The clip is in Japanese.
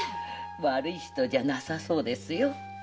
悪い人じゃなさそうですよ。